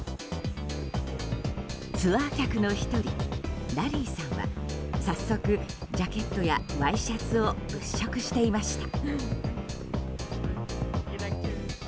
ツアー客の１人、ラリーさんは早速、ジャケットやワイシャツを物色していました。